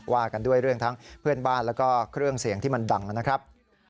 ว่ากันด้วยเรื่องทั้งเพื่อนบ้านแล้วก็เครื่องเสียงที่มันดังนะครับ